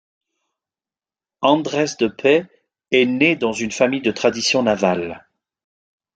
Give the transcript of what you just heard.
Andrés de Pez est né dans une famille de tradition navale.